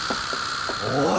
おい！